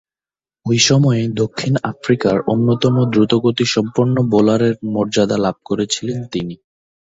ঐ সময়ে দক্ষিণ আফ্রিকার অন্যতম দ্রুতগতিসম্পন্ন বোলারের মর্যাদা লাভ করেছিলেন তিনি।